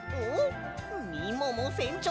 みももせんちょう